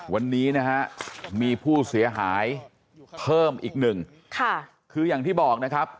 วันนี้นะฮะมีผู้เสียหายเพิ่มอีกหนึ่งค่ะคืออย่างที่บอกนะครับ